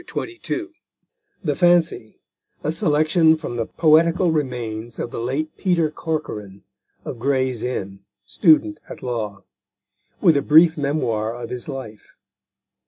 THE FANCY THE FANCY: _A Selection from the Poetical Remains of the late Peter Corcoran, of Gray's Inn, student at law. With a brief Memoir of his life.